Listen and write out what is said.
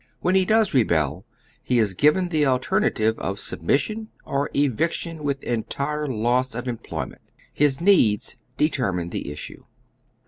When he does rebel, he is given the alternative of submission, or eviction with entire loss of employment. His needs determine the issue.